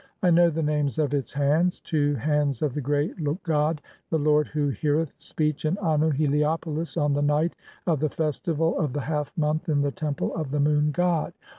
(12) I know "the names of its hands ; 'Two hands of the great god, the lord "who heareth speech in Annu (Heliopolis) on the night of the "festival of the half month in the Temple of the Moon god'